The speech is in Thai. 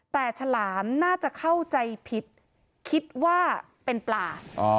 แต่ฉลามน่าจะเข้าใจผิดคิดว่าเป็นปลา